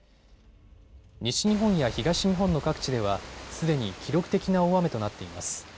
西日本や東日本の各地ではすでに記録的な大雨となっています。